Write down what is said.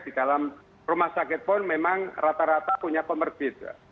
di dalam rumah sakit pun memang rata rata punya komorbit